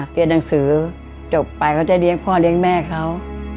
เรียนหนังสือจบไปเขาจะเลี้ยงพ่อเลี้ยงแม่เขา